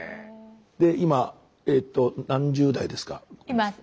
で今えっと何十代ですか？